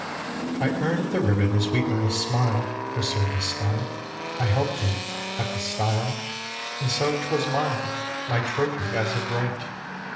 x. I Earn'd the ribbon as we earn a smile For service done. I help'd thee at the stile; And so 'twas mine, my trophy, as of right.